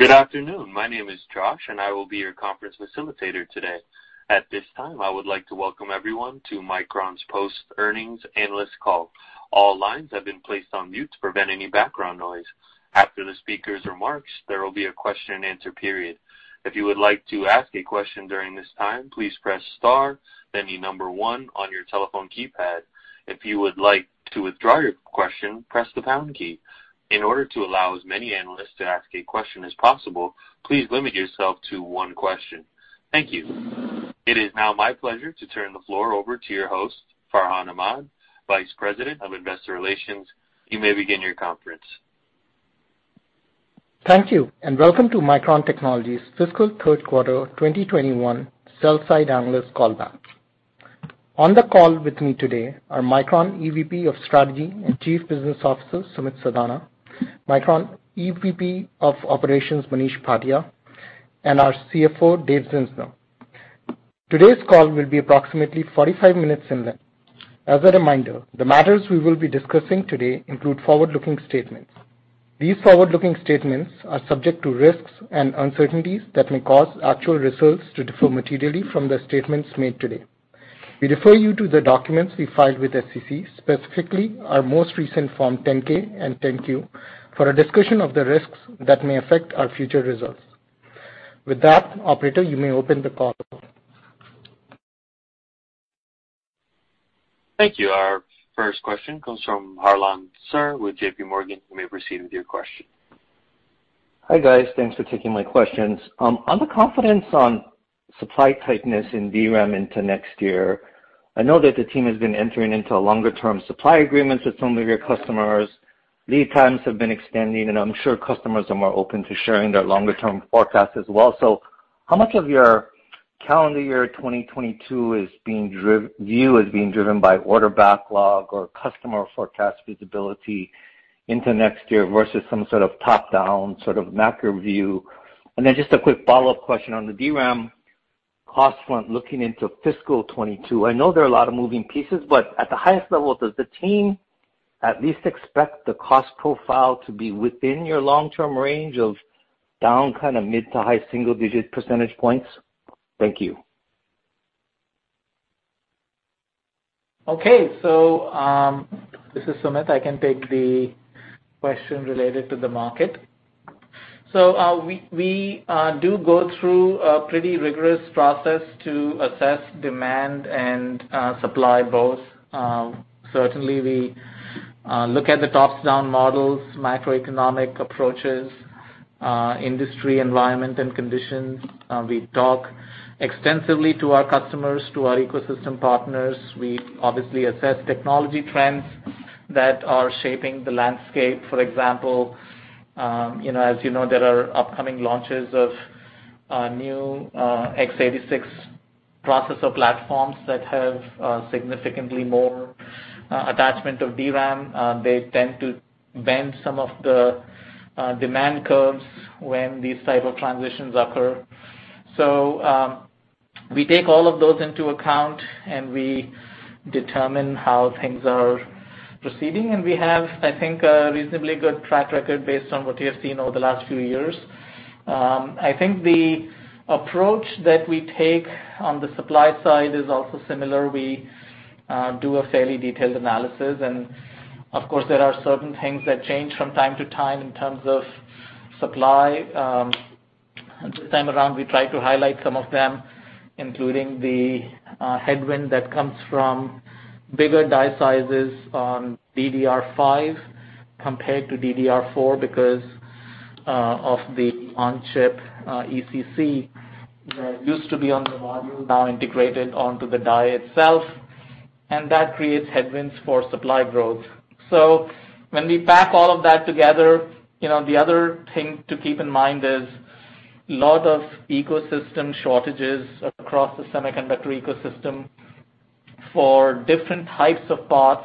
Good afternoon. My name is Josh, and I will be your conference facilitator today. At this time, I would like to welcome everyone to Micron's post-earnings analyst call. All lines have been placed on mute to prevent any background noise. After the speaker's remarks, there will be a question and answer period. If you would like to ask a question during this time, please press star then the number one on your telephone keypad. If you would like to withdraw your question, press the pound key. In order to allow as many analysts to ask a question as possible, please limit yourself to one question. Thank you. It is now my pleasure to turn the floor over to your host, Farhan Ahmad, Vice President of Investor Relations. You may begin your conference. Thank you, welcome to Micron Technology's fiscal third quarter 2021 sell-side analyst call back. On the call with me today are Micron EVP of Strategy and Chief Business Officer, Sumit Sadana, Micron EVP of Operations, Manish Bhatia, and our CFO, Dave Zinsner. Today's call will be approximately 45 minutes in length. As a reminder, the matters we will be discussing today include forward-looking statements. These forward-looking statements are subject to risks and uncertainties that may cause actual results to differ materially from the statements made today. We refer you to the documents we filed with SEC, specifically our most recent Form 10-K and 10-Q, for a discussion of the risks that may affect our future results. With that, operator, you may open the call. Thank you. Our first question comes from Harlan Sur with JPMorgan. You may proceed with your question. Hi, guys. Thanks for taking my questions. On the confidence on supply tightness in DRAM into next year, I know that the team has been entering into longer-term supply agreements with some of your customers. I'm sure customers are more open to sharing their longer-term forecast as well. How much of your calendar year 2022 is being viewed as being driven by order backlog or customer forecast visibility into next year versus some sort of top-down, macro view? Just a quick follow-up question on the DRAM cost front looking into fiscal 2022. At the highest level, does the team at least expect the cost profile to be within your long-term range of down mid to high single-digit percentage points? Thank you. Okay. This is Sumit. I can take the question related to the market. We do go through a pretty rigorous process to assess demand and supply both. Certainly, we look at the tops-down models, macroeconomic approaches, industry environment, and conditions. We talk extensively to our customers, to our ecosystem partners. We obviously assess technology trends that are shaping the landscape. For example, as you know, there are upcoming launches of new x86 processor platforms that have significantly more attachment of DRAM. They tend to bend some of the demand curves when these type of transitions occur. We take all of those into account, and we determine how things are proceeding, and we have, I think, a reasonably good track record based on what you have seen over the last few years. I think the approach that we take on the supply side is also similar. We do a fairly detailed analysis. Of course, there are certain things that change from time to time in terms of supply. This time around, we try to highlight some of them, including the headwind that comes from bigger die sizes on DDR5 compared to DDR4 because of the on-chip ECC that used to be on the module, now integrated onto the die itself. That creates headwinds for supply growth. When we pack all of that together, the other thing to keep in mind is lot of ecosystem shortages across the semiconductor ecosystem for different types of parts.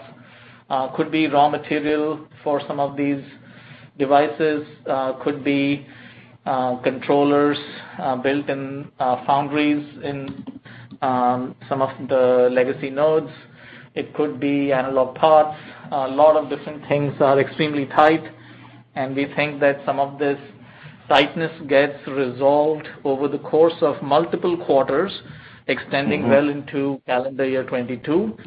Could be raw material for some of these devices, could be controllers built in foundries in some of the legacy nodes. It could be analog parts. A lot of different things are extremely tight, we think that some of this tightness gets resolved over the course of multiple quarters, extending well into calendar year 2022.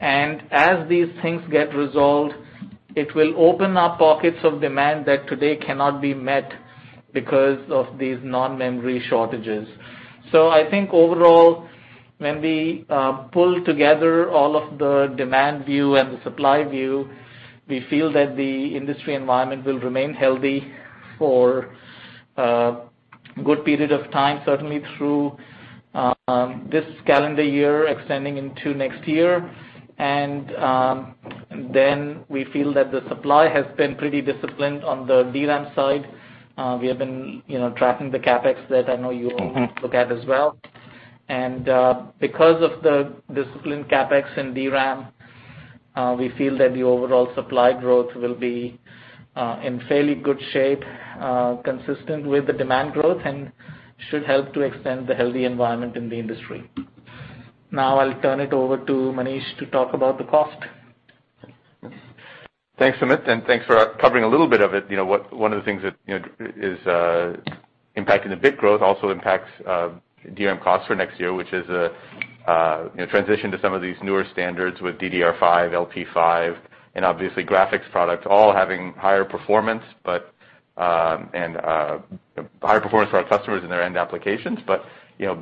As these things get resolved, it will open up pockets of demand that today cannot be met because of these non-memory shortages. I think overall, when we pull together all of the demand view and the supply view, we feel that the industry environment will remain healthy for a good period of time, certainly through this calendar year, extending into next year. We feel that the supply has been pretty disciplined on the DRAM side. We have been tracking the CapEx that I know you look at as well. Because of the disciplined CapEx in DRAM, we feel that the overall supply growth will be in fairly good shape, consistent with the demand growth and should help to extend the healthy environment in the industry. I'll turn it over to Manish to talk about the cost. Thanks for that, and thanks for covering a little bit of it. One of the things that is impacting the bit growth also impacts DRAM cost for next year, which is a transition to some of these newer standards with DDR5, LP5, and obviously graphics product all having higher performance, but high performance for our customers in their end applications.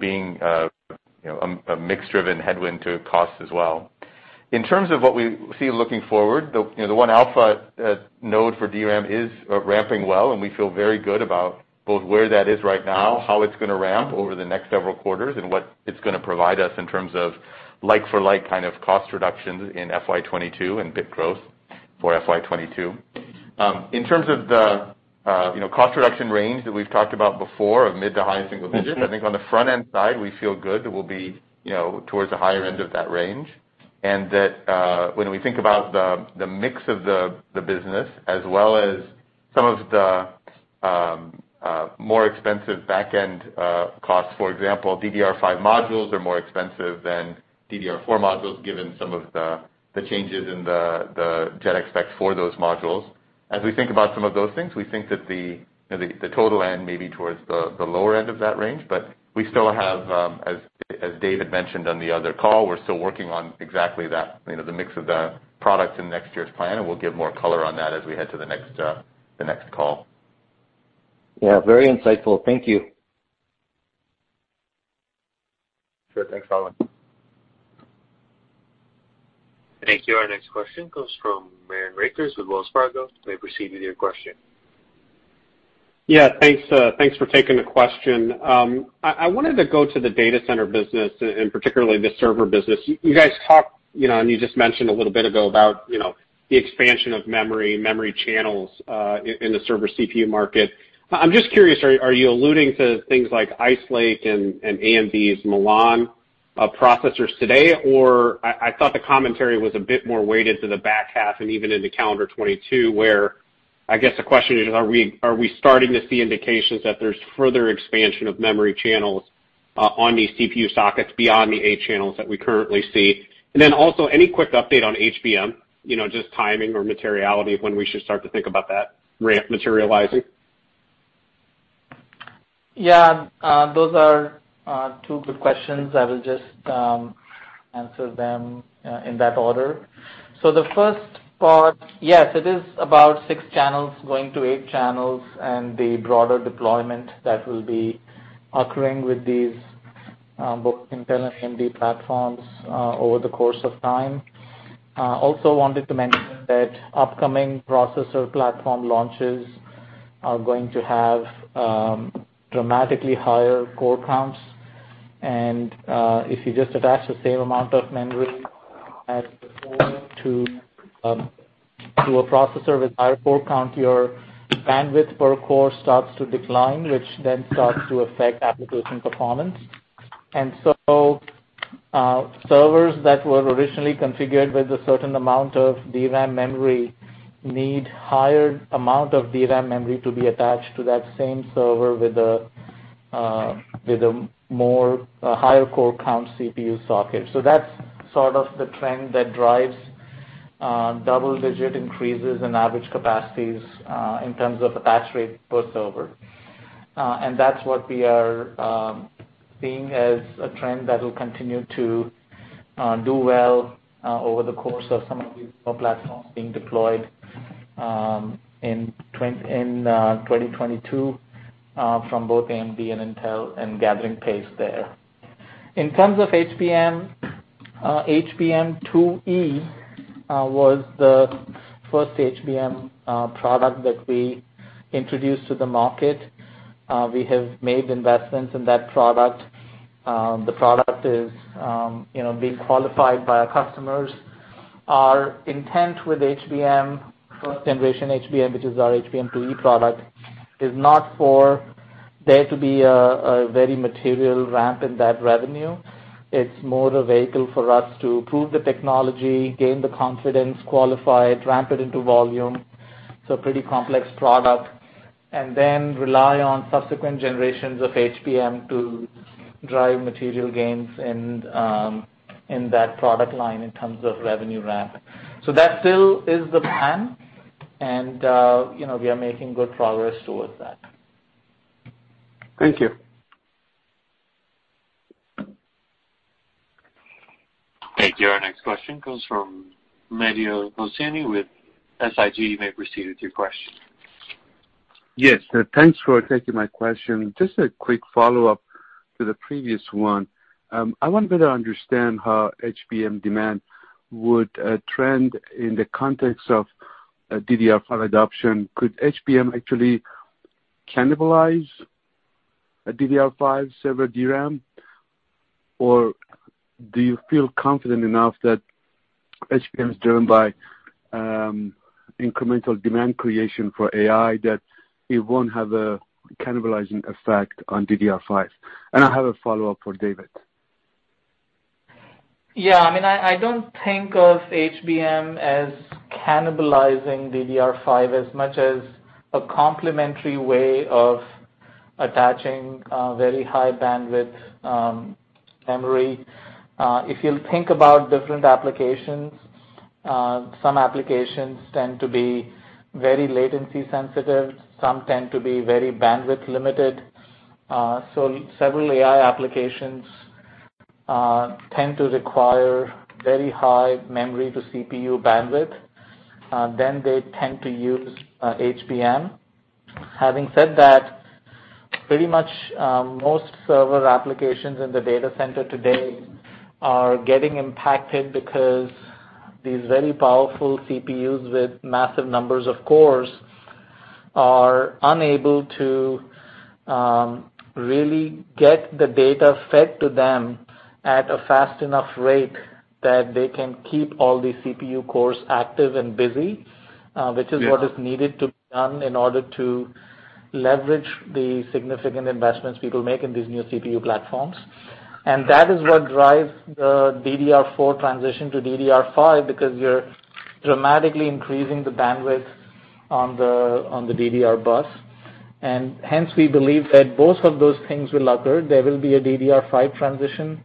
Being a bit of a headwind to cost as well. In terms of what we see looking forward, the 1-alpha node for DRAM is ramping well, and we feel very good about both where that is right now, how it's going to ramp over the next several quarters, and what it's going to provide us in terms of like for like cost reductions in FY 2022 and bit growth for FY 2022. In terms of the cost reduction range that we've talked about before of mid to high single digits, I think on the front-end side, we feel good that we'll be towards the higher end of that range, and that when we think about the mix of the business as well as some of the more expensive back-end costs, for example, DDR5 modules are more expensive than DDR4 modules, given some of the changes in the JEDEC specs for those modules. As we think about some of those things, we think that the total end may be towards the lower end of that range, but we still have, as Dave mentioned on the other call, we're still working on exactly that, the mix of the product in next year's plan. We'll give more color on that as we head to the next call. Yeah, very insightful. Thank you. Sure. Thanks, Harlan. Thank you. Our next question comes from Aaron Rakers with Wells Fargo. Please proceed with your question. Yeah. Thanks for taking the question. I wanted to go to the data center business and particularly the server business. You guys talked, you just mentioned a little bit ago about the expansion of memory channels in the server CPU market. I'm just curious, are you alluding to things like Ice Lake and AMD's Milan processors today, or I thought the commentary was a bit more weighted to the back half and even into calendar 2022, where I guess the question is, are we starting to see indications that there's further expansion of memory channels on these CPU sockets beyond the eight channels that we currently see? Then also any quick update on HBM, just timing or materiality of when we should start to think about that ramp materializing. Yeah, those are two good questions. I will just answer them in that order. The first part, yes, it is about six channels going to eight channels and the broader deployment that will be occurring with these both Intel and AMD platforms over the course of time. I also wanted to mention that upcoming processor platform launches are going to have dramatically higher core counts, and if you just attach the same amount of memory as before to a processor with high core count, your bandwidth per core starts to decline, which then starts to affect application performance. Servers that were originally configured with a certain amount of DRAM memory need higher amount of DRAM memory to be attached to that same server with a more higher core count CPU socket. That's sort of the trend that drives double-digit increases in average capacities in terms of attach rate per server. That's what we are seeing as a trend that will continue to do well over the course of some of these core platforms being deployed in 2022 from both AMD and Intel and gathering pace there. In terms of HBM, HBM2E was the first HBM product that we introduced to the market. We have made investments in that product. The product is being qualified by our customers. Our intent with HBM, first generation HBM, which is our HBM2E product, is not for there to be a very material ramp in that revenue. It's more of a vehicle for us to prove the technology, gain the confidence, qualify it, ramp it into volume. It's a pretty complex product, and then rely on subsequent generations of HBM to drive material gains in that product line in terms of revenue ramp. That still is the plan, and we are making good progress towards that. Thank you. Thank you. Our next question comes from Mehdi Hosseini with SIG. You may proceed with your question. Yes. Thanks for taking my question. Just a quick follow-up to the previous one. I wanted to understand how HBM demand would trend in the context of DDR5 adoption. Could HBM actually cannibalize DDR5 server DRAM, or do you feel confident enough that HBM is driven by incremental demand creation for AI, that it won't have a cannibalizing effect on DDR5? I have a follow-up for David. I don't think of HBM as cannibalizing DDR5 as much as a complementary way of attaching very high bandwidth memory. If you think about different applications, some applications tend to be very latency sensitive, some tend to be very bandwidth limited. Several AI applications tend to require very high memory to CPU bandwidth. They tend to use HBM. Having said that, pretty much most server applications in the data center today are getting impacted because these very powerful CPUs with massive numbers of cores are unable to really get the data fed to them at a fast enough rate that they can keep all the CPU cores active and busy, which is what is needed to be done in order to leverage the significant investments we will make in these new CPU platforms. That is what drives the DDR4 transition to DDR5, because we are dramatically increasing the bandwidth on the DDR bus. Hence, we believe that both of those things will occur. There will be a DDR5 transition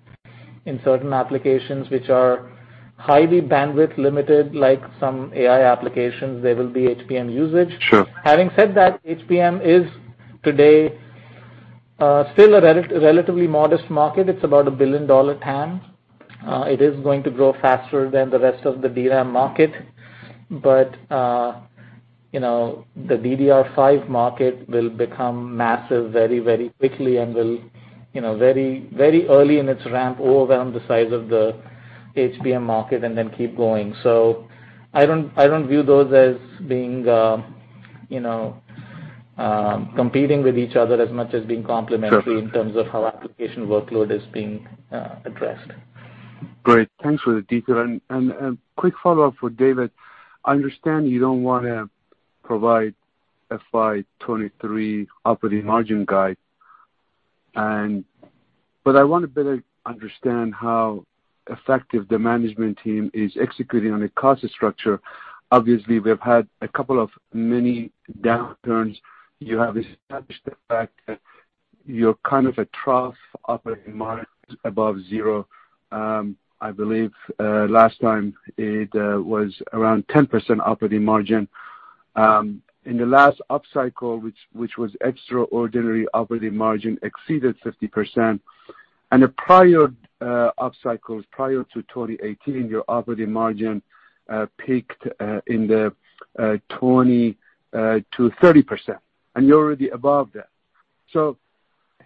in certain applications which are highly bandwidth limited, like some AI applications, there will be HBM usage. Having said that, HBM is today still a relatively modest market. It's about a $1 billion TAM. It is going to grow faster than the rest of the DRAM market. The DDR5 market will become massive very, very quickly and will, very early in its ramp, overwhelm the size of the HBM market and then keep going. I don't view those as competing with each other as much as being complementary in terms of how application workload is being addressed. Great. Thanks for the detail and quick follow-up for Dave. I understand you don't want to provide FY 2023 operating margin guide. I want to better understand how effective the management team is executing on a cost structure. Obviously, we've had a couple of memory downturns. You have established the fact that you're kind of a trough operating margin above zero. I believe last time it was around 10% operating margin. In the last upcycle, which was extraordinary, operating margin exceeded 50%, and the prior upcycles, prior to 2018, your operating margin peaked in the 20%-30%, and you're already above that.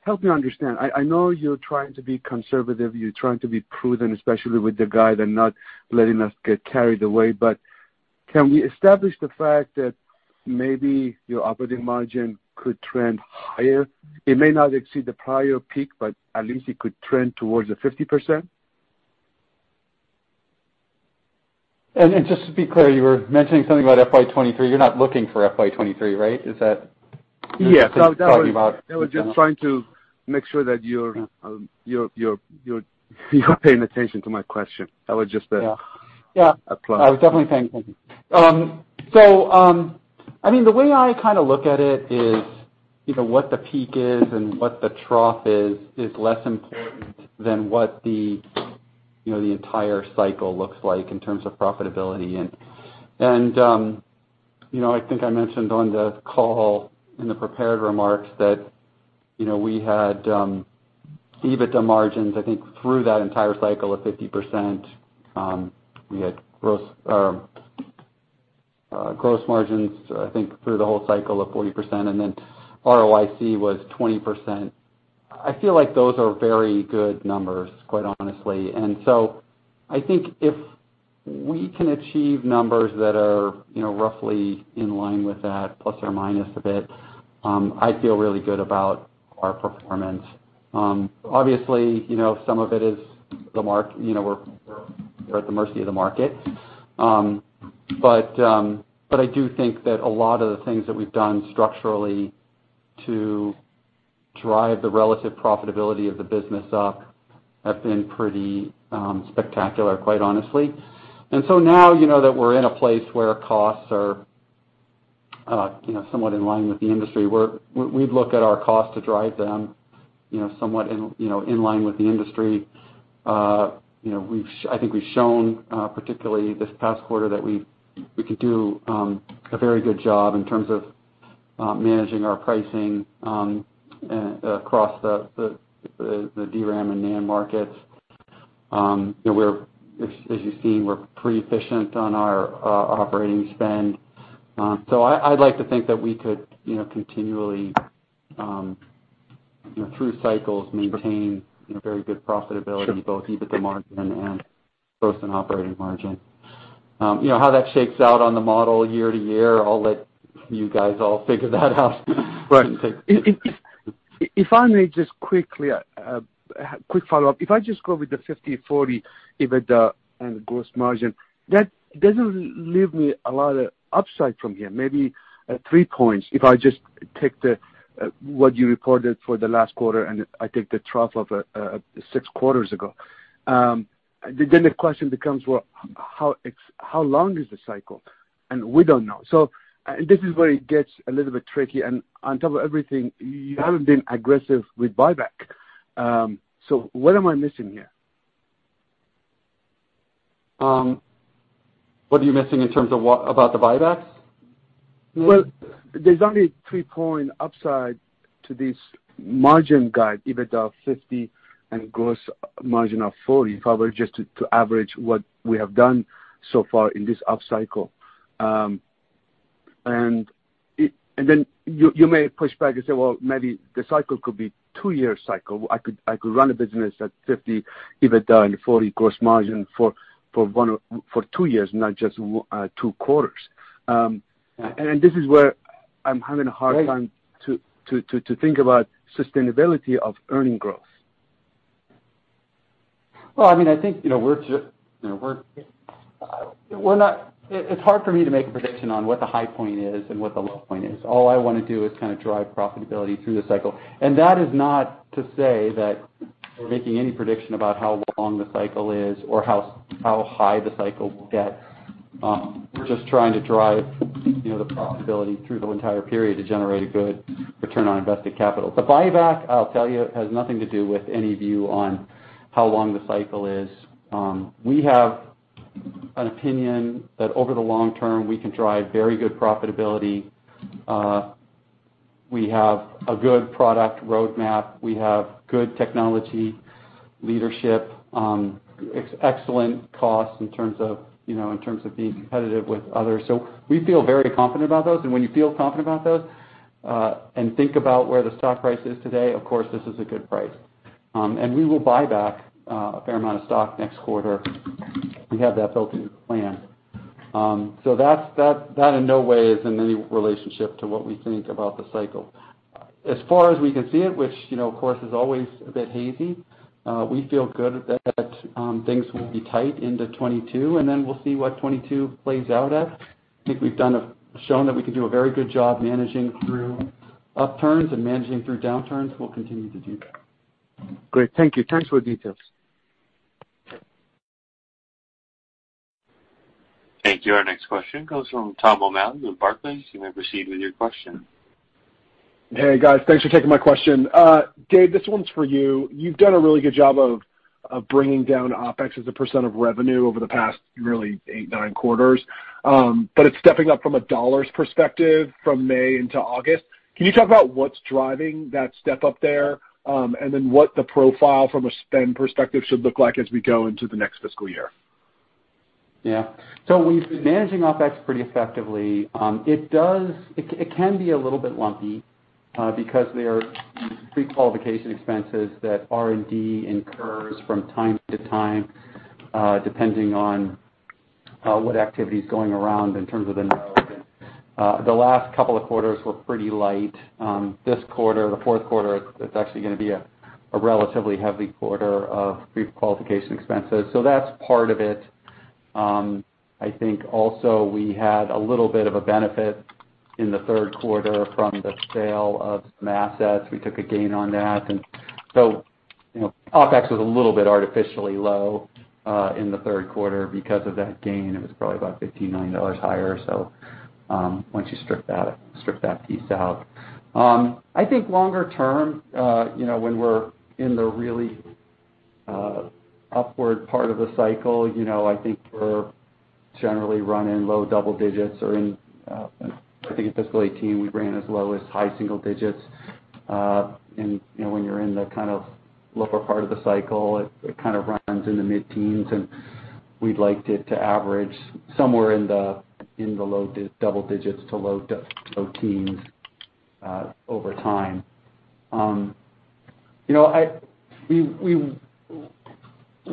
Help me understand. I know you're trying to be conservative. You're trying to be prudent, especially with the guide and not letting us get carried away. Can we establish the fact that maybe your operating margin could trend higher? It may not exceed the prior peak, but at least it could trend towards the 50%. Just to be clear, you were mentioning something about FY 2023. You're not looking for FY 2023, right? Yeah. I was just trying to make sure that you're paying attention to my question. That was just. I was definitely paying attention. The way I look at it is what the peak is and what the trough is less important than what the entire cycle looks like in terms of profitability. I think I mentioned on the call in the prepared remarks that we had EBITDA margins, I think, through that entire cycle of 50%. We had gross margins, I think, through the whole cycle of 40%, and then ROIC was 20%. I feel like those are very good numbers, quite honestly. I think if we can achieve numbers that are roughly in line with that, plus or minus a bit, I'd feel really good about our performance. Obviously, some of it is we're at the mercy of the market. I do think that a lot of the things that we've done structurally to drive the relative profitability of the business up have been pretty spectacular, quite honestly. Now that we're in a place where costs are somewhat in line with the industry, we look at our cost to drive them somewhat in line with the industry. I think we've shown, particularly this past quarter, that we could do a very good job in terms of managing our pricing across the DRAM and NAND markets, as you've seen, we're pretty efficient on our operating spend. I'd like to think that we could continually, through cycles, maintain very good profitability, both EBITDA margin and gross and operating margin. How that shakes out on the model year to year, I'll let you guys all figure that out. If I may just quickly, quick follow-up. If I just go with the 50/40 EBITDA and gross margin, that doesn't leave me a lot of upside from here. Maybe 3 points, if I just take what you reported for the last quarter, and I take the trough of three quarters ago. The question becomes, well, how long is the cycle? We don't know. This is where it gets a little bit tricky. On top of everything, you haven't been aggressive with buyback. What am I missing here? What are you missing in terms of what? About the buybacks? Well, there's only 3 point upside to these margin guide, EBITDA of 50% and gross margin of 40%, if I were just to average what we have done so far in this up cycle. You may push back and say, "Well, maybe the cycle could be two years cycle. I could run a business at 50% EBITDA and 40% gross margin for two years, not just two quarters." This is where I'm having a hard time to think about sustainability of earnings growth. Well, I think, it's hard for me to make a prediction on what the high point is and what the low point is. All I want to do is drive profitability through the cycle. That is not to say that we're making any prediction about how long the cycle is or how high the cycle will get. We're just trying to drive the profitability through the entire period to generate a good return on invested capital. The buyback, I'll tell you, it has nothing to do with any view on how long the cycle is. We have an opinion that over the long term, we can drive very good profitability. We have a good product roadmap. We have good technology leadership, excellent cost in terms of being competitive with others. We feel very confident about this. When you feel confident about this, and think about where the stock price is today, of course, this is a good price. We will buy back a fair amount of stock next quarter. We have that built into the plan. That in no way is in any relationship to what we think about the cycle. As far as we can see it, which of course is always a bit hazy, we feel good that things will be tight into 2022, and then we'll see what 2022 plays out as. I think we've shown that we can do a very good job managing through upturns and managing through downturns. We'll continue to do that. Great. Thank you. Thanks for the details. Thank you. Our next question comes from Thomas O'Malley with Barclays. You may proceed with your question. Hey, guys. Thanks for taking my question. Dave, this one's for you. You've done a really good job of bringing down OpEx as a percent of revenue over the past really eight, nine quarters. It's stepping up from a dollars perspective from May into August. Can you talk about what's driving that step up there, and then what the profile from a spend perspective should look like as we go into the next fiscal year? Yeah. We've been managing OpEx pretty effectively. It can be a little bit lumpy, because there are pre-qualification expenses that R&D incurs from time to time, depending on what activity is going around in terms of innovation. The last couple of quarters were pretty light. This quarter, the fourth quarter, is actually going to be a relatively heavy quarter of pre-qualification expenses. That's part of it. I think also we had a little bit of a benefit in the third quarter from the sale of some assets. We took a gain on that. OpEx was a little bit artificially low, in the third quarter because of that gain. It was probably about $15 million higher, so once you strip that piece out. I think longer term, when we're in the really upward part of the cycle, I think we're generally running low double digits or in, I think fiscal 2018, we ran as low as high single digits. When you're in the lower part of the cycle, it kind of runs in the mid-teens, and we'd like to get to average somewhere in the low double digits to low teens, over time.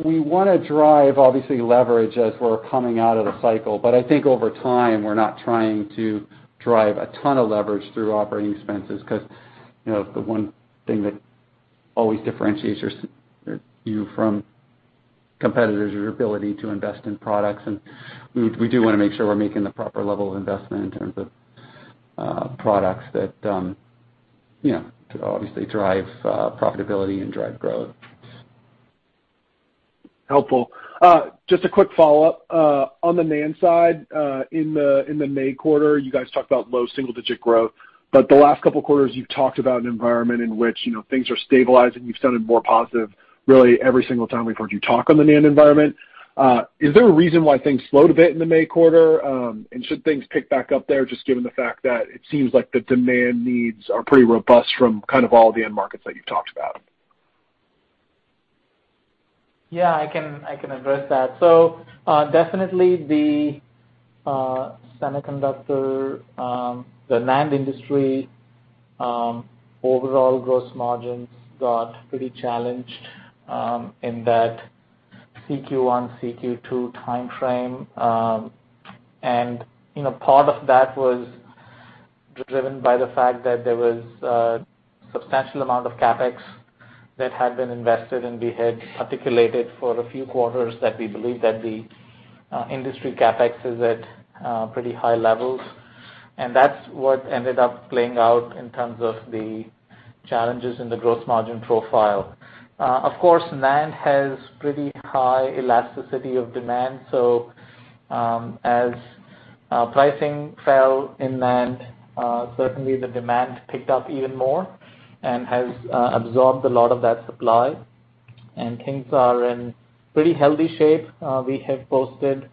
We want to drive, obviously, leverage as we're coming out of the cycle, but I think over time, we're not trying to drive a ton of leverage through operating expenses because the one thing that always differentiates you from competitors is your ability to invest in products. We do want to make sure we're making the proper level of investment in terms of products that obviously drive profitability and drive growth. Helpful. Just a quick follow-up. On the NAND side, in the May quarter, you guys talked about low single-digit growth. The last couple of quarters, you've talked about an environment in which things are stabilizing. You've sounded more positive really every single time we've heard you talk on the NAND environment. Is there a reason why things slowed a bit in the May quarter? Should things pick back up there just given the fact that it seems like the demand needs are pretty robust from all the end markets that you talked about? I can address that. Definitely the semiconductor, the NAND industry, overall gross margins got pretty challenged, in that CQ1, CQ2 time frame. Part of that was driven by the fact that there was a substantial amount of CapEx that had been invested, and we had articulated for a few quarters that we believe that the industry CapEx is at pretty high levels. That's what ended up playing out in terms of the challenges in the gross margin profile. Of course, NAND has pretty high elasticity of demand. As pricing fell in NAND, certainly the demand picked up even more and has absorbed a lot of that supply. Things are in pretty healthy shape. We have posted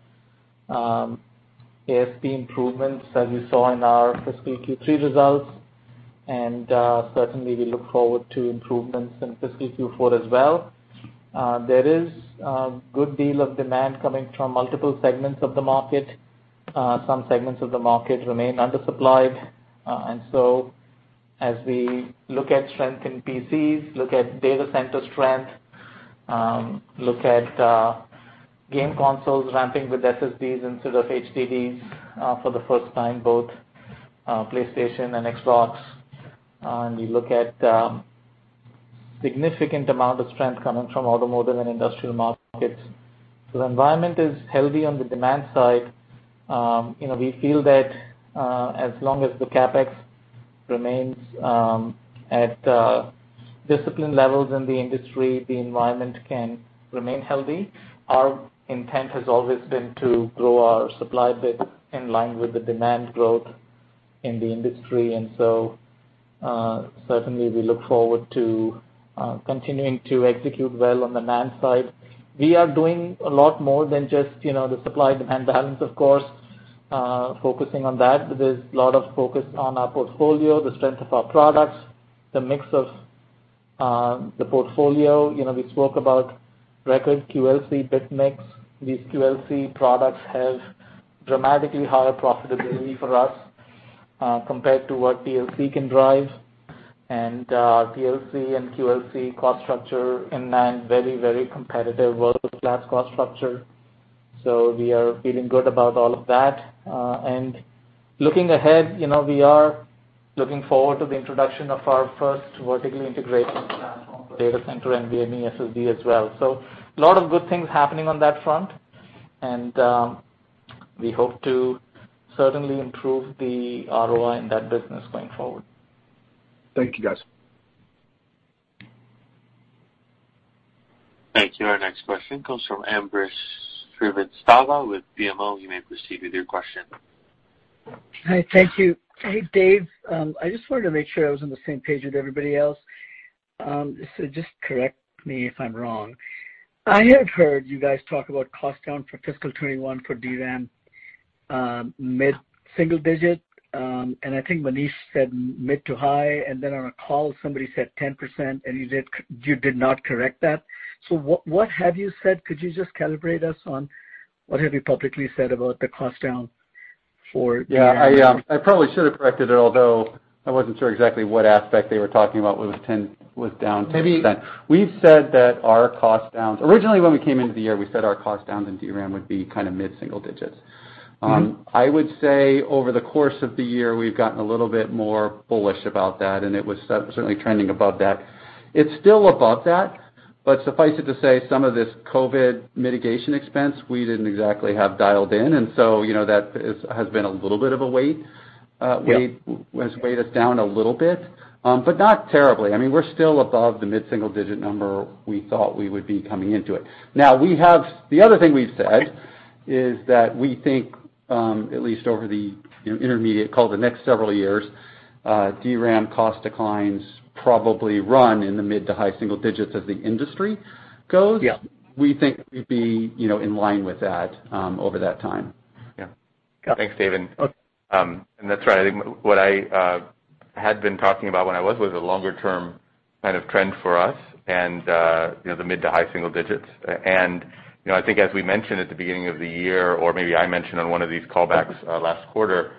ASP improvements, as you saw in our fiscal Q3 results, certainly we look forward to improvements in fiscal Q4 as well. There is a good deal of demand coming from multiple segments of the market. Some segments of the market remain undersupplied. As we look at strength in PCs, look at data center strength, look at game consoles ramping with SSDs instead of HDDs for the first time, both PlayStation and Xbox. We look at the significant amount of strength coming from automotive and industrial markets. The environment is healthy on the demand side. We feel that as long as the CapEx remains at disciplined levels in the industry, the environment can remain healthy. Our intent has always been to grow our supply bit in line with the demand growth in the industry. Certainly, we look forward to continuing to execute well on the NAND side. We are doing a lot more than just the supply-demand balance, of course, focusing on that, but there's a lot of focus on our portfolio, the strength of our products, the mix of the portfolio. We spoke about record QLC bit mix. These QLC products have dramatically higher profitability for us compared to what TLC can drive. TLC and QLC cost structure in NAND, very competitive, well flat cost structure. We are feeling good about all of that. Looking ahead, we are looking forward to the introduction of our first vertically integrated platform data center and gaming SSD as well. A lot of good things happening on that front, and we hope to certainly improve the ROI in that business going forward. Thank you, guys. Thank you. Our next question comes from Ambrish Srivastava with BMO. You may proceed with your question. Hi. Thank you. Hey, Dave. I just wanted to make sure I was on the same page with everybody else. Just correct me if I'm wrong. I have heard you guys talk about cost down for fiscal 2021 for DRAM, mid-single digit. I think Manish said mid to high, and then on a call, somebody said 10%, and you did not correct that. What have you said? Could you just calibrate us on what have you publicly said about the cost down for DRAM? Yeah, I probably should have corrected it, although I wasn't sure exactly what aspect they were talking about with down 10%. Originally, when we came into the year, we said our cost down in DRAM would be mid-single digits. I would say over the course of the year, we've gotten a little bit more bullish about that, and it was certainly trending above that. It's still above that, but suffice it to say, some of this COVID mitigation expense, we didn't exactly have dialed in. That has been a little bit of a weight. Weighed us down a little bit. Not terribly. I mean, we're still above the mid-single digit number we thought we would be coming into it. The other thing we said is that we think, at least over the intermediate call the next several years, DRAM cost declines probably run in the mid to high single digits as the industry goes. We think we'd be in line with that over that time. Thanks, Dave. And that's right. I think what I had been talking about when I was with a longer-term kind of trend for us and the mid to high single digits. I think as we mentioned at the beginning of the year, or maybe I mentioned on one of these callbacks last quarter,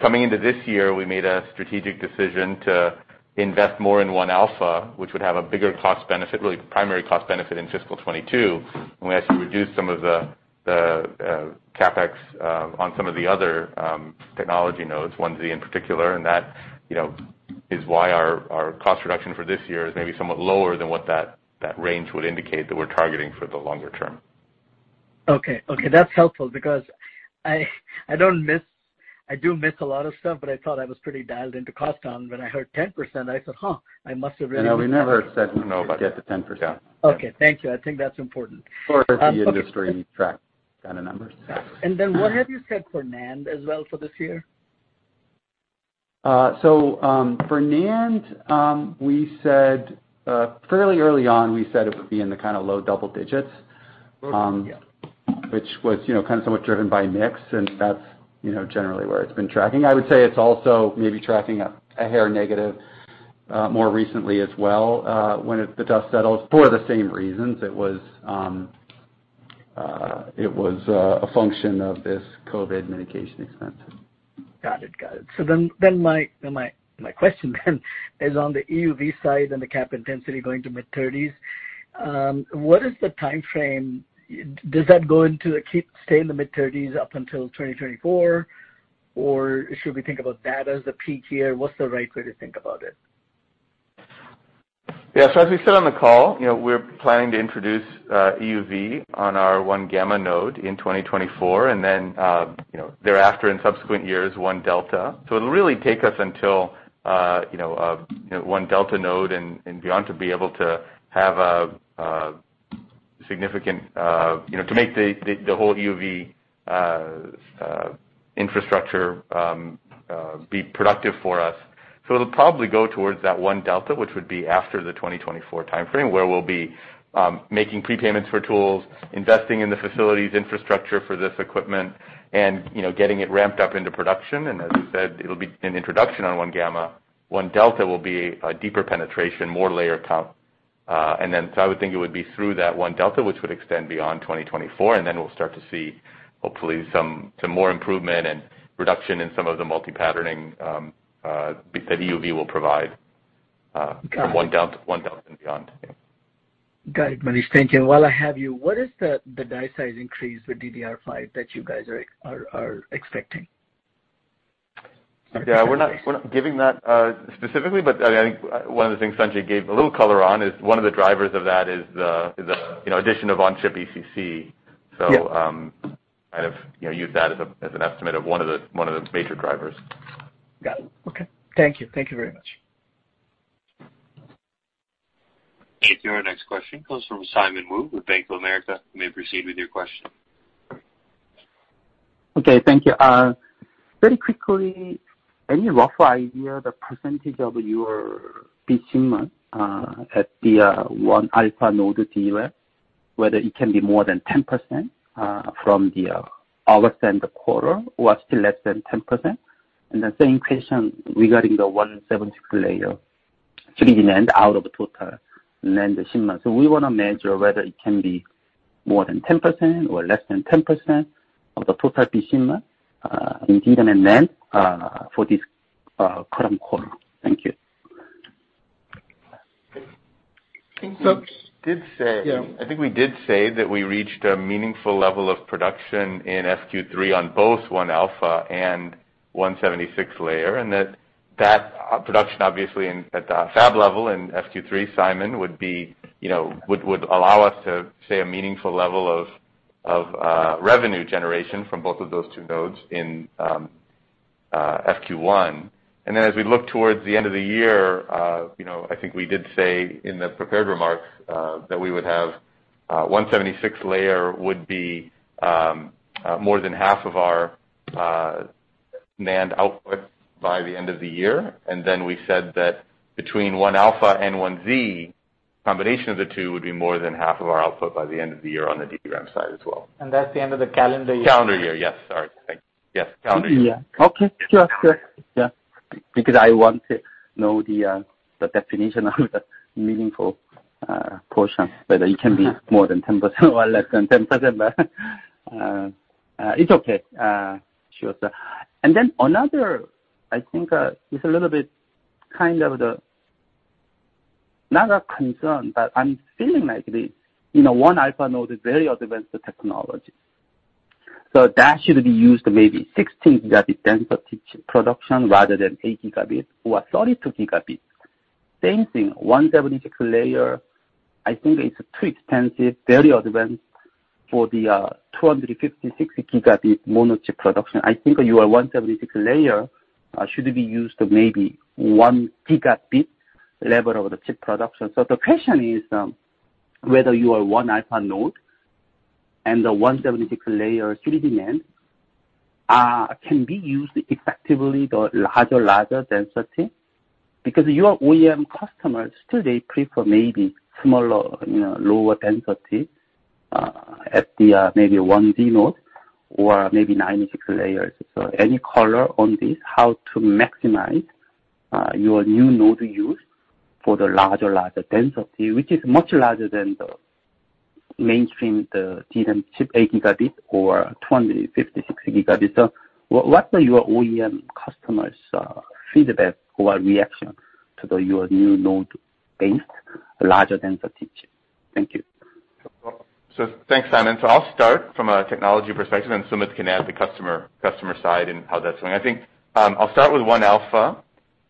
coming into this year, we made a strategic decision to invest more in 1-alpha, which would have a bigger cost benefit, really primary cost benefit in fiscal 2022, and we actually reduced some of the CapEx on some of the other technology nodes, 1Z in particular. That is why our cost reduction for this year is maybe somewhat lower than what that range would indicate that we're targeting for the longer term. Okay. That's helpful because I do miss a lot of stuff, but I thought I was pretty dialed into cost down. When I heard 10%, I said, "Huh, I must have really missed that. Yeah, we never said we know about the 10% down. Okay. Thank you. I think that's important. If the industry tracks that a number. What have you said for NAND as well for this year? For NAND, fairly early on, we said it would be in the low double digits. Which was kind of driven by mix, and that's generally where it's been tracking. I would say it's also maybe tracking a hair negative more recently as well, when the dust settles for the same reasons. It was a function of this COVID mitigation expense. Got it. My question is on the EUV side and the CapEx intensity going to mid-30s. What is the timeframe? Does that stay in the mid-30s up until 2024, or should we think about that as a peak year? What's the right way to think about it? As we said on the call, we're planning to introduce EUV on our 1-gamma node in 2024, and thereafter in subsequent years, 1-delta. It'll really take us until 1-delta node and beyond to be able to make the whole EUV infrastructure be productive for us. It'll probably go towards that 1-delta, which would be after the 2024 timeframe, where we'll be making prepayments for tools, investing in the facilities infrastructure for this equipment, and getting it ramped up into production. As we said, it'll be an introduction on 1-gamma. 1-delta will be a deeper penetration, more layer count. I would think it would be through that 1-delta, which would extend beyond 2024, and then we'll start to see hopefully some more improvement and reduction in some of the multi-patterning that EUV will provide from 1-delta and beyond. Got it. Thank you. While I have you, what is the die size increase for DDR5 that you guys are expecting? Yeah, we're not giving that specifically, but I think one of the things Sumit gave a little color on is one of the drivers of that is the addition of on-chip ECC. Yeah. Kind of use that as an estimate of one of the major drivers. Yeah. Okay. Thank you. Thank you very much. Our next question comes from Simon Woo with Bank of America. You may proceed with your question. Okay. Thank you. Very quickly, any rough idea the percentage of your bit shipment at the 1-alpha node DRAM, whether it can be more than 10% from the August end of quarter or still less than 10%? The same question regarding the 176-layer 3D NAND out of total NAND shipment. We want to measure whether it can be more than 10% or less than 10% of the total bit shipment in DRAM and NAND for this current quarter. Thank you. I think we did say that we reached a meaningful level of production in FQ3 on both 1-alpha and 176-layer, and that that production obviously at the fab level in FQ3, Simon, would allow us to say a meaningful level of revenue generation from both of those two nodes in FQ4. As we look towards the end of the year, I think we did say in the prepared remarks, that we would have 176-layer would be more than half of our NAND output by the end of the year. We said that between 1-alpha and 1Z, combination of the two would be more than half of our output by the end of the year on the DRAM side as well. That's the end of the calendar year. Calendar year. Yes, sorry. Yes, calendar year. Okay. Sure. Yeah. I want to know the definition of that meaningful portion, whether it can be more than 10% or less than 10%, but it's okay. Sure. Another, I think it's a little bit kind of the, not a concern, but I'm feeling like this 1-alpha node is very advanced technology. That should be used maybe 16 Gb density chip production rather than 8 Gb or 32 Gb. Same thing, 176-layer, I think it's too expensive, very advanced for the 256 Gb mono chip production. I think your 176-layer should be used maybe 1 Tb level of the chip production. The question is whether your 1-alpha node and the 176-layer 3D NAND can be used effectively the larger density. Your OEM customers today prefer maybe smaller, lower density at the maybe 1Z node or maybe 96 layers. Any color on this, how to maximize your new node use for the larger density, which is much larger than the mainstream, the DRAM chip 8 Gb or 256 Gb. What are your OEM customers feedback or reaction to your new new node's larger density? Thank you. Thanks, Simon. I'll start from a technology perspective, and Sumit can add the customer side and how that's going. I'll start with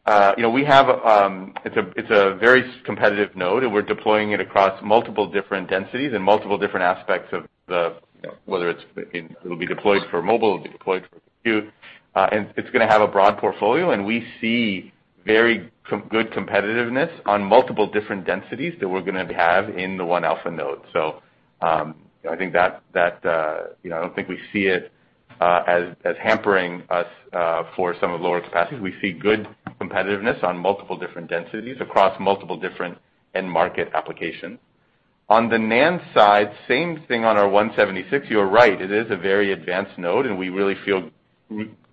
1-alpha. It's a very competitive node. We're deploying it across multiple different densities and multiple different aspects of the, whether it will be deployed for mobile, it'll be deployed for compute. It's going to have a broad portfolio, we see very good competitiveness on multiple different densities that we're going to have in the 1-alpha node. I don't think we see it as hampering us for some of the lower capacities. We see good competitiveness on multiple different densities across multiple different end market applications. On the NAND side, same thing on our 176. You're right, it is a very advanced node. We really feel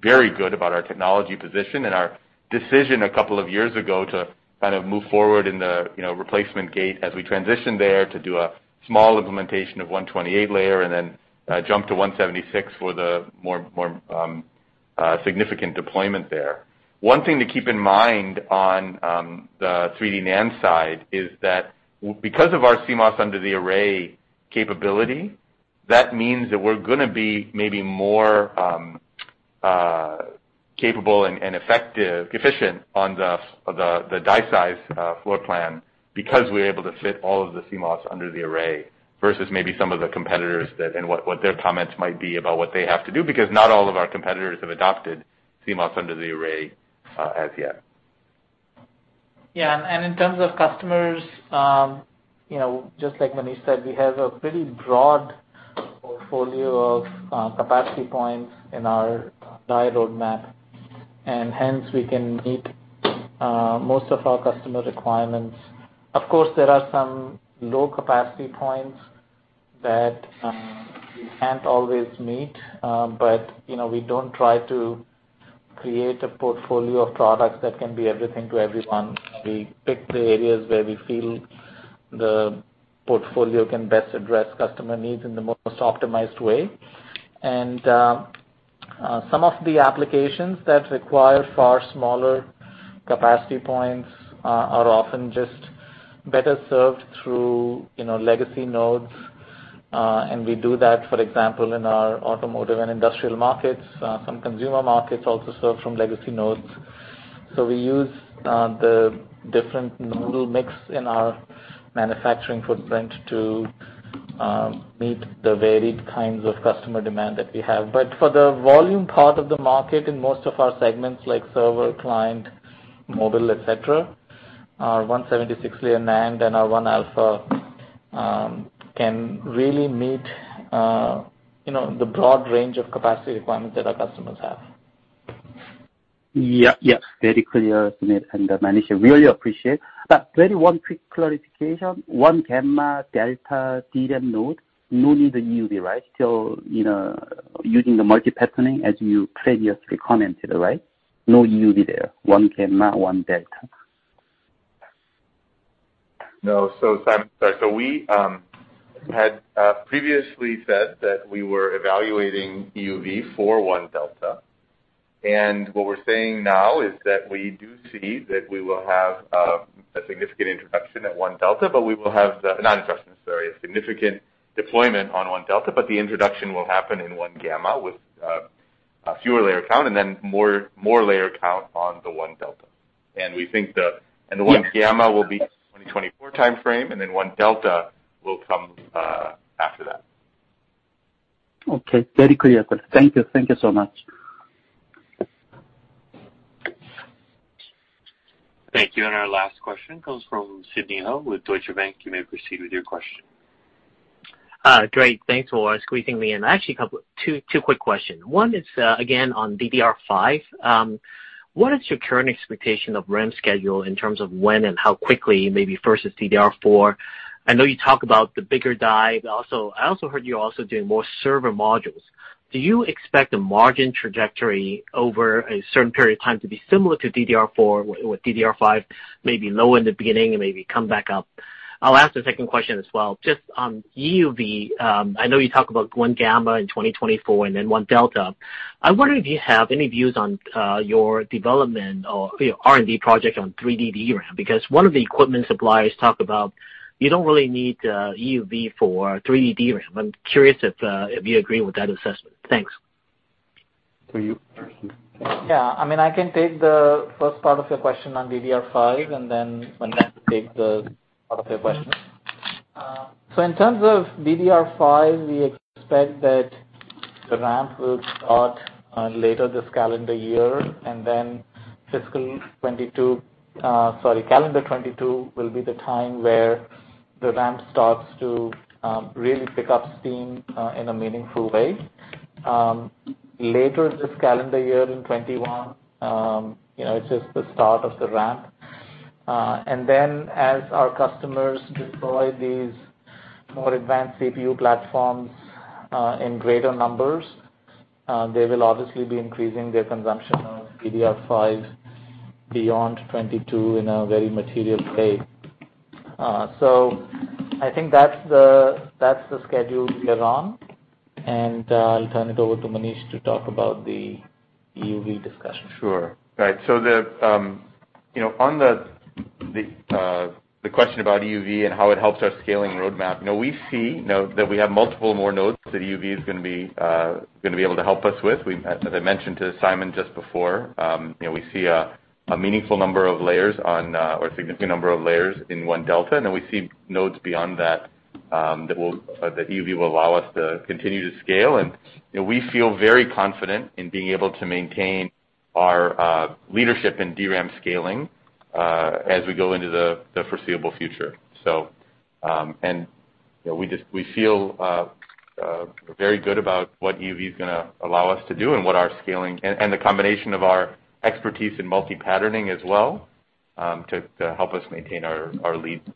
very good about our technology position and our decision two years ago to kind of move forward in the replacement gate as we transition there to do a small implementation of 128-layer and then jump to 176-layer for the more significant deployment there. one thing to keep in mind on the 3D NAND side is that because of our CMOS-under-array capability, that means that we're going to be maybe more capable and effective, efficient on the die size floor plan, because we're able to fit all of the CMOS-under-array versus maybe some of the competitors and what their comments might be about what they have to do, because not all of our competitors have adopted CMOS-under-array as yet. Yeah. In terms of customers, just like Manish said, we have a pretty broad portfolio of capacity points in our die roadmap, and hence we can meet most of our customer requirements. Of course, there are some low capacity points that we can't always meet, but we don't try to create a portfolio of products that can be everything to everyone. We pick the areas where we feel the portfolio can best address customer needs in the most optimized way. Some of the applications that require far smaller capacity points are often just better served through legacy nodes. We do that, for example, in our automotive and industrial markets. Some consumer markets also serve from legacy nodes. We use the different node mix in our manufacturing footprint to meet the varied kinds of customer demand that we have. For the volume part of the market in most of our segments, like server, client, mobile, et cetera, 176-layer NAND and our 1-alpha can really meet the broad range of capacity requirements that our customers have. Yeah. Very clear, Manish. I really appreciate. Maybe one quick clarification. 1-gamma, 1-delta DRAM node, no need of EUV, right? Using the multi-patterning as you previously commented, right? No EUV there. 1-gamma, 1-delta. No. Simon, we had previously said that we were evaluating EUV for 1-delta, and what we're saying now is that we do see that we will have a significant introduction at 1-delta, but we will have a significant deployment on 1-delta, but the introduction will happen in 1-gamma with fewer layer count and then more layer count on the 1-delta. 1-gamma will be 2024 timeframe, and then 1-delta will come after that. Okay. Very clear. Thank you so much. Thank you. Our last question comes from Sidney Ho with Deutsche Bank. You may proceed with your question. Great. Thanks for squeezing me in. Actually, two quick questions. One is, again on DDR5. What is your current expectation of ramp schedule in terms of when and how quickly, maybe versus DDR4? I know you talk about the bigger die. I also heard you're also doing more server modules. Do you expect a margin trajectory over a certain period of time to be similar to DDR4 with DDR5, maybe low in the beginning and maybe come back up? I'll ask the second question as well. Just on EUV, I know you talk about 1-gamma in 2024 and then 1-delta. I wonder if you have any views on your development or R&D project on 3D DRAM, because one of the equipment suppliers talked about you don't really need EUV for 3D DRAM. I'm curious if you agree with that assessment. Thanks. For you, Sumit. I can take the first part of the question on DDR5, and then Manish can take the other part of your question. In terms of DDR5, we expect that the ramp will start later this calendar year, and then FY 2022, sorry, calendar 2022 will be the time where the ramp starts to really pick up steam in a meaningful way. Later this calendar year in 2021, it's just the start of the ramp. As our customers deploy these more advanced CPU platforms in greater numbers, they will obviously be increasing their consumption of DDR5 beyond 2022 in a very material way. I think that's the schedule we are on, and I'll turn it over to Manish to talk about the EUV discussion. Sure. On the question about EUV and how it helps our scaling roadmap, we see now that we have multiple more nodes that EUV is going to be able to help us with. As I mentioned to Simon just before, we see a meaningful number of layers on, or significant number of layers in 1-delta, and we see nodes beyond that EUV will allow us to continue to scale. We feel very confident in being able to maintain our leadership in DRAM scaling as we go into the foreseeable future. We feel very good about what EUV is going to allow us to do and what our scaling and the combination of our expertise in multi-patterning as well, to help us maintain our lead.